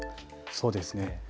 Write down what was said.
そうですね。